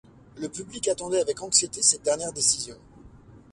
Le public attendait avec anxiété cette dernière décision.